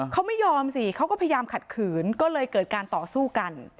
เขาไม่ยอมสิเขาก็พยายามขัดขืนก็เลยเกิดการต่อสู้กัน